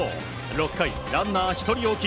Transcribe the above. ６回、ランナー１人置き